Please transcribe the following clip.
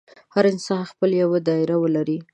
هر انسان خپله یوه ډایري ولري.